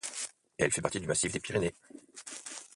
Elle fait partie du massif des Pyrénées.